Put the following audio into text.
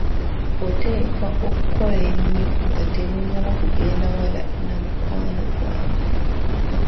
Oteekwa okukola ennyo nga temunnaba kugenda wala na mukwano gwammwe.